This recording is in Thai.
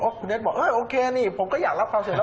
คุณก็คุณเน็ตบอกโอเคนี่ผมก็อยากรับความเสี่ยง